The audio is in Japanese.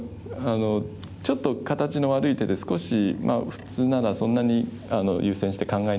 ちょっと形の悪い手で少し普通ならそんなに優先して考えない手なんですけど。